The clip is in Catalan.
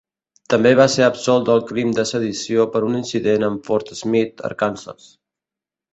També va ser absolt del crim de sedició per un incident en Fort Smith, Arkansas.